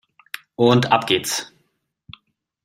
Und ab geht's!